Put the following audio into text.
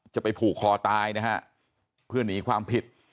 จะไปผูกคอตายนะฮะเพื่อหนีความผิด